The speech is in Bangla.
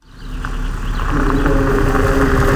কিন্তু এমন কথা কেউ-ই বলেনি।